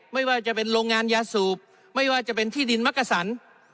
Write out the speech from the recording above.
ไม่ว่าจะเป็นโรงงานยาสูบไม่ว่าจะเป็นที่ดินมักกะสัน